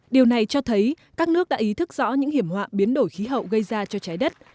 điều này cho thấy các nước đã ý thức rõ những hiểm họa biến đổi khí hậu gây ra cho trái đất